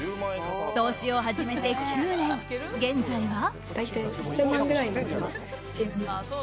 投資を始めて９年現在は。